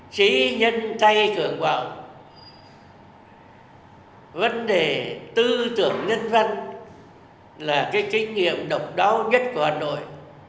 chí nhân tay cường bảo vấn đề tư tưởng nhân văn là cái kinh nghiệm độc đáo nhất của hà nội